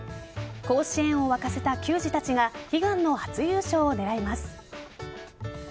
甲子園を沸かせた球児たちが悲願の初優勝を狙います。